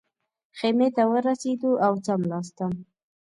خیمې ته ورسېدو او څملاستم.